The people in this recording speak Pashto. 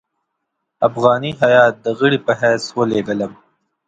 افغاني هیات د غړي په حیث ولېږلم.